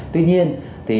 tuy nhiên thì